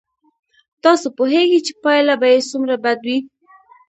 تاسو پوهېږئ چې پایله به یې څومره بد وي.